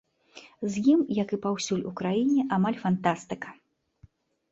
З ім, як і паўсюль у краіне, амаль фантастыка.